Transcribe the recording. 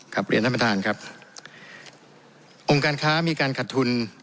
เรียนท่านประธานครับองค์การค้ามีการขัดทุน